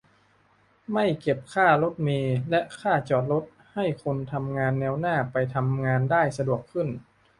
- ไม่เก็บค่ารถเมล์และค่าจอดรถ ให้คนทำงานแนวหน้าไปทำงานได้สะดวกขึ้น